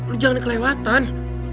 lu jangan kelewatan